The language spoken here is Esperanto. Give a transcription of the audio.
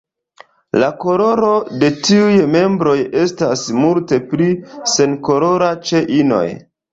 La koloro de tiuj membroj estas multe pli senkolora ĉe inoj.